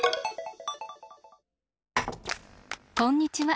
こんにちは！